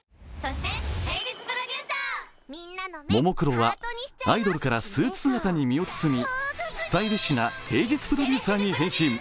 ももクロはアイドルからスーツ姿に身を包みスタイリッシュな平日プロデューサーに変身。